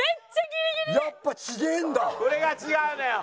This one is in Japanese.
これが違うのよ。